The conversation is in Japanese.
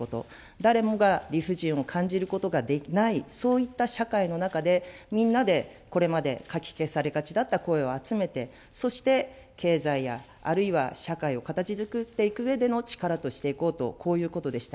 誰もが理不尽を感じることがない、そういった社会の中で、みんなで、これまでかき消されがちだった声を集めて、そして経済や、あるいは社会を形づくっていくうえでの力としていこうと、こういうことでした。